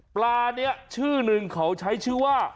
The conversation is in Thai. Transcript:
ปลานี้ชื่อนึงเขาใช้ชื่อว่า